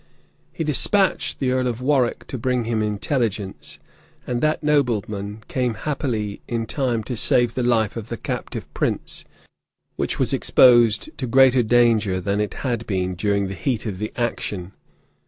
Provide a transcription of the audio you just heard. He despatched the earl of Warwick to bring him intelligence; and that nobleman came happily in time to save the life of the captive prince which was exposed to greater danger than it had been during the heat of the action.